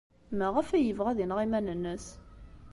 Maɣef ay yebɣa ad ineɣ iman-nnes?